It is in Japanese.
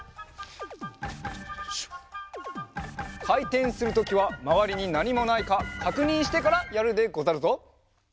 かいてんするときはまわりになにもないかかくにんしてからやるでござるぞ。